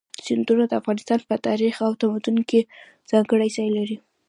سیندونه د افغانستان په تاریخ او تمدن کې ځانګړی ځای لري.